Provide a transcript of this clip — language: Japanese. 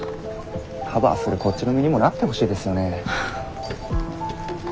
カバーするこっちの身にもなってほしいですよね。